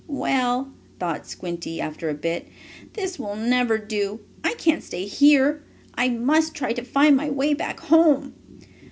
"Well," thought Squinty, after a bit, "this will never do. I can't stay here. I must try to find my way back home.